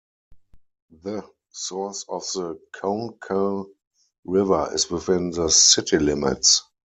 The source of the Conecuh River is within the city limits.